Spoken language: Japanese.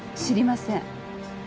知りません。